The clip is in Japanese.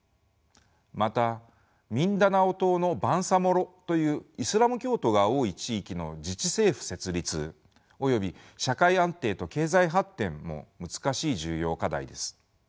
またミンダナオ島のバンサモロというイスラム教徒が多い地域の自治政府設立および社会安定と経済発展も難しい重要課題です。